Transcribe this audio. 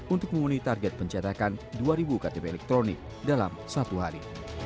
untuk memenuhi target pencetakan dua ribu ktp elektronik dalam satu hari